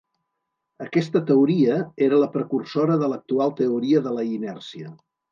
Aquesta teoria era la precursora de l'actual teoria de la inèrcia.